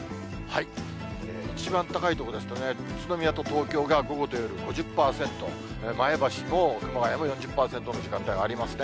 一番高い所ですと、宇都宮と東京が午後と夜５０％、前橋と熊谷も４０％の時間帯がありますね。